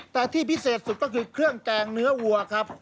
แต่ที่พิเศษสุดก็คือเครื่องแกงเนื้อวัวครับ